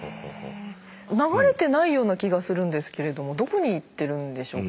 流れてないような気がするんですけれどもどこに行ってるんでしょうか？